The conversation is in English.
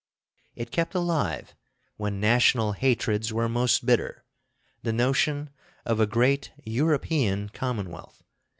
It kept alive, when national hatreds were most bitter, the notion of a great European Commonwealth.